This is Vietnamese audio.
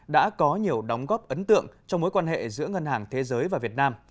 đã có nhiều đóng góp ấn tượng trong mối quan hệ giữa ngân hàng thế giới và việt nam